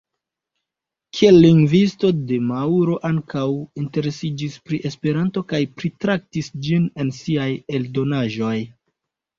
Kiel lingvisto, De Mauro ankaŭ interesiĝis pri Esperanto kaj pritraktis ĝin en siaj eldonaĵoj.